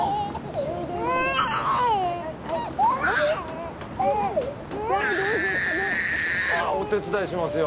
ああお手伝いしますよ。